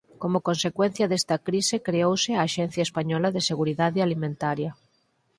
Como consecuencia desta crise creouse a Axencia Española de Seguridade Alimentaria.